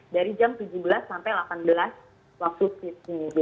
dari jam tujuh belas sampai delapan belas waktu sydney